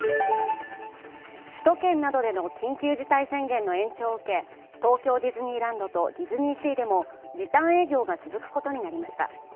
首都圏などでの緊急事態宣言の延長を受け東京ディズニーランドとディズニーシーでも時短営業が続くことになりました。